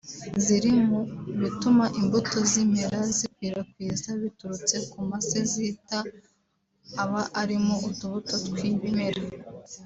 ziri mu bituma imbuto z’ibimera zikwirakwizwa biturutse ku mase zita aba arimo utubuto tw’ibimera